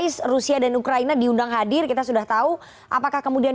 sudah tahu apakah kemudian